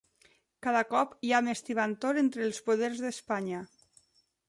Cada cop hi ha més tibantor entre els poders d'Espanya